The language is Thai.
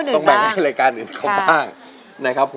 ต้องแบ่งให้รายการอื่นเขาบ้าง